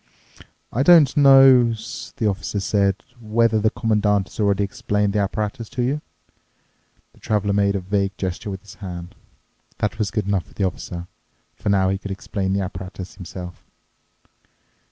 "I don't know," the officer said, "whether the Commandant has already explained the apparatus to you." The Traveler made an vague gesture with his hand. That was good enough for the Officer, for now he could explain the apparatus himself.